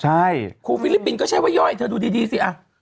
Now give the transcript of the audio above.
ฮู้ฟิลิปปินด์ก็ใช่ว่าย้อยเธอดูดีสิ